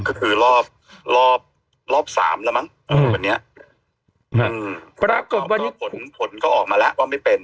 ก็คือรอบ๓แล้วมั้งวันนี้ผลก็ออกมาแล้วว่าไม่เป็น